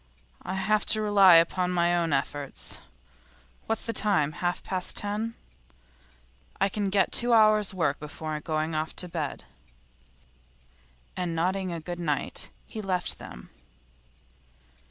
I have to rely upon my own efforts. What's the time? Half past ten; I can get two hours' work before going to bed.' And nodding a good night he left them.